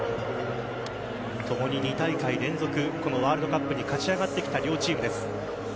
ともに２大会連続このワールドカップに勝ち上がってきた両チームです。